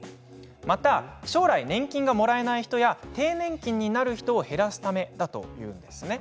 また、将来年金がもらえない人や低年金になる人を減らすためだというんですね。